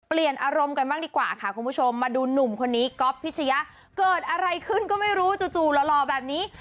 เปลี่ยนอารมณ์กันบ้างดีกว่าค่ะคุณผู้ชมมาดูหนุ่มคนนี้ก๊อฟพิชยะเกิดอะไรขึ้นก็ไม่รู้จู่หล่อแบบนี้